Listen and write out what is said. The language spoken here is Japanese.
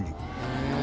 「へえ。